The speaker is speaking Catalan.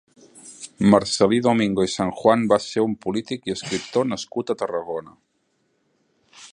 Marcel·lí Domingo i Sanjuan va ser un polític i escriptor nascut a Tarragona.